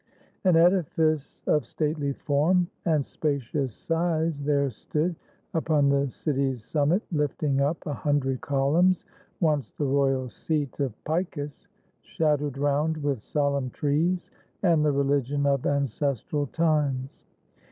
An edifice Of stately form and spacious size there stood, Upon the city's summit, lifting up A hundred columns, once the royal seat Of Picus, shadowed round with solemn trees, And the religion of ancestral times.